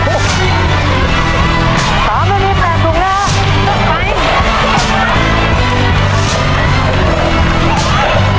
ได้พัดเลยสี่ถุงแล้วแม่กุ้ง